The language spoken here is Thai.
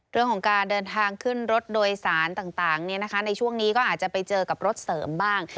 เรื่องของการเดินทางขึ้นรถโดยสารต่างในช่วงนี้ก็อาจจะไปเจอกับรถเสริมบ้าง